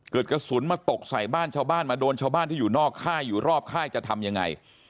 กระสุนมาตกใส่บ้านชาวบ้านมาโดนชาวบ้านที่อยู่นอกค่ายอยู่รอบค่ายจะทำยังไง